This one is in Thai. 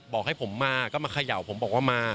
บอกให้ผมมาก็มาเขย่าผมบอกว่ามา